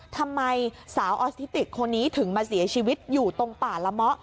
ทำไมสาวออสทิติกคนนี้ถึงมาเสียชีวิตอยู่ตรงป่าละเมาะ